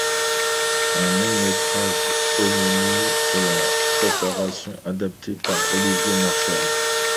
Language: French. Un long métrage homonyme est en préparation adapté par Olivier Marchal.